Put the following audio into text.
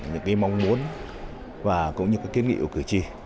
những cái mong muốn và cũng như cái kiến nghị của cử tri